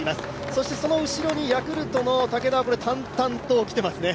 そしてその後ろにヤクルトの武田は淡々ときてますね。